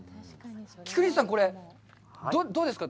菊西さん、どうですか？